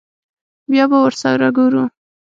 بيا به ورسره گورو.